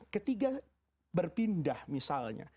ketiga berpindah misalnya